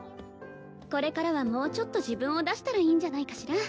これからはもうちょっと自分を出したらいいんじゃないかしら？